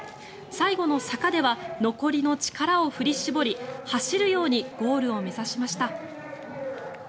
最後の坂では残りの力を振り絞り走るようにゴールを目指しました。